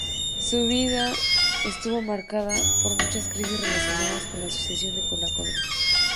Su vida estuvo marcada por muchas crisis relacionadas con la sucesión de la corona.